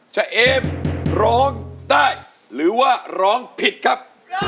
เอฟร้องได้หรือว่าร้องผิดครับ